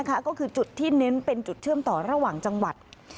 ก็คือจุดที่เน้นเป็นจุดเชื่อมต่อระหว่างจังหวัด